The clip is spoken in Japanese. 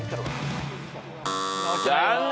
残念！